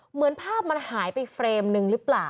เหมือนภาพมันหายไปเฟรมหนึ่งหรือเปล่า